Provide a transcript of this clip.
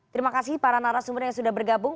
terima kasih para narasumber yang sudah bergabung